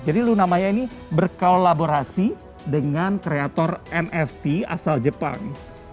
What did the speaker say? jadi lunamaya ini berkolaborasi dengan kreator nft asal jepang